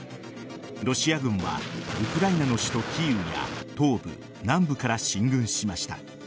ロシア軍はウクライナの首都・キーウや東部、南部から進軍しました。